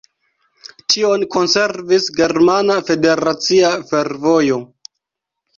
Tion konservis Germana Federacia Fervojo.